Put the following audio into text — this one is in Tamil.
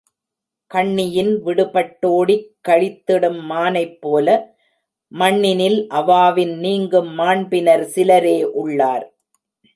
கண்ணியின் விடுபட் டோடிக் களித்திடும் மானைப் போல, மண்ணினில் அவாவின் நீங்கும் மாண்பினர் சிலரே உள்ளார்.